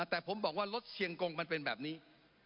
แต่ผมบอกว่ารถเชียงกงมันเป็นแบบนี้